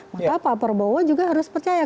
maka pak prabowo juga harus percaya